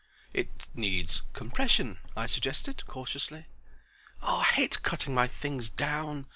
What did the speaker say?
"It needs compression," I suggested, cautiously. "I hate cutting my things down.